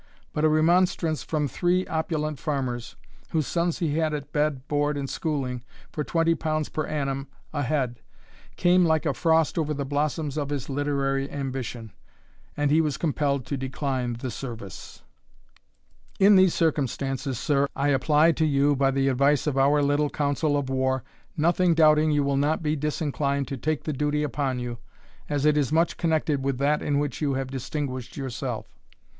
But a remonstrance from three opulent farmers, whose sons he had at bed, board, and schooling, for twenty pounds per annum a head, came like a frost over the blossoms of his literary ambition, and he was compelled to decline the service. In these circumstances, sir, I apply to you, by the advice of our little council of war, nothing doubting you will not be disinclined to take the duty upon you, as it is much connected with that in which you have distinguished yourself.